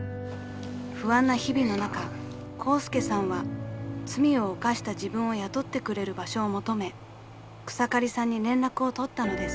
［不安な日々の中コウスケさんは罪を犯した自分を雇ってくれる場所を求め草刈さんに連絡を取ったのです］